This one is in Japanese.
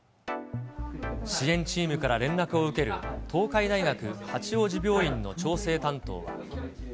支援チームから連絡を受ける、東海大学八王子病院の調整担当は。